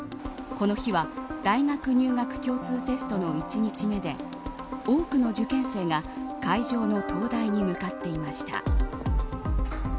この日は大学入学共通テストの１日目で多くの受験生が会場の東大に向かっていました。